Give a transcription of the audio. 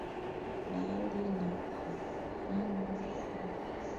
mbali na upungufu wa uwezo wa kushinda utashi huu Picha za bongo